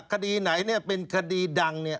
คดีไหนเป็นคดีดัง